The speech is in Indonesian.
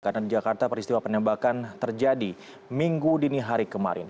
karena di jakarta peristiwa penembakan terjadi minggu dini hari kemarin